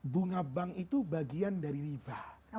bunga bank itu bagian dari riba